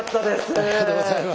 ありがとうございます。